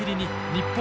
日本